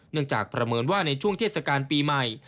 จากประเมินว่าในช่วงเทศกาลปีใหม่